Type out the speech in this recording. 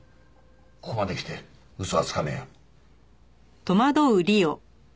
ここまで来て嘘はつかねえよ。